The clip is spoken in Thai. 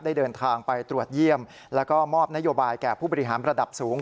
ได้เดินทางไปตรวจเยี่ยมแล้วก็มอบนโยบายแก่ผู้บริหารระดับสูง